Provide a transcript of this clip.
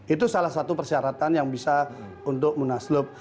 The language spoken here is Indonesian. itu salah satu persyaratan yang bisa untuk munaslup